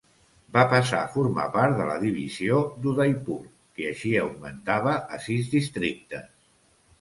Va passar a formar part de la divisió d'Udaipur que així augmentava a sis districtes.